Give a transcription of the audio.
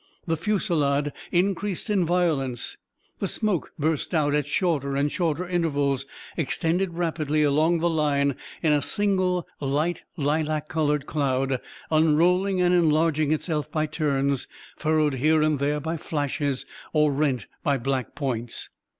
The fusillade increased in violence. The smoke burst out at shorter and shorter intervals, extended rapidly along the line in a single light, lilac colored cloud, unrolling and enlarging itself by turns, furrowed here and there by flashes or rent by black points.